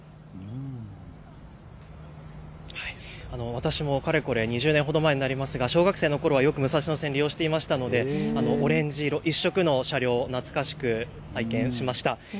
私もかれこれ２０年ほど前になりますが小学生のころ、よく武蔵野線を利用していましたのでオレンジ色の車両、懐かしく拝見しました。